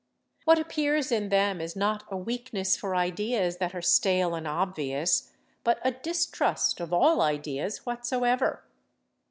What appears in them is not a weakness for ideas that are stale and obvious, but a distrust of all ideas whatsoever.